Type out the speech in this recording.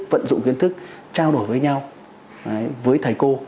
vận dụng kiến thức trao đổi với nhau với thầy cô